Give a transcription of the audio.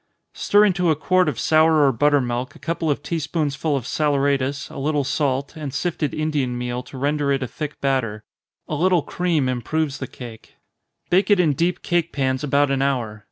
_ Stir into a quart of sour or butter milk a couple of tea spoonsful of saleratus, a little salt, and sifted Indian meal to render it a thick batter a little cream improves the cake bake it in deep cake pans about an hour.